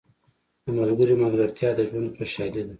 • د ملګري ملګرتیا د ژوند خوشحالي ده.